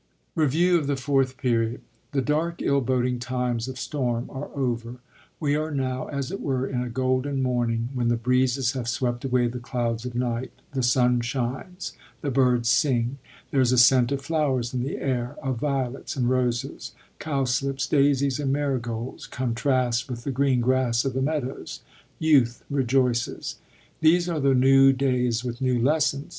14a REVIEW OF THE FOURTH PERIOD Rbvirw of thb Fourth Period The dark, ill boding times of storm are over: we are now, as it were, in a golden morning, when the breezes have swept away the clouds of night; the sun shines; the birds sing; there is a scent of flowers in the air, — of Tiolets and roses; cowslips, daisies, and marigolds^ contrast with the green grass of the meadows ; youth rejoices. These are the new days, with new lessons.